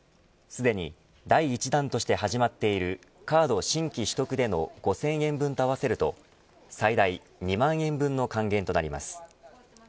すでに第１弾として始まっているカード新規取得での５０００円分と合わせると最大２万円分の還元となります。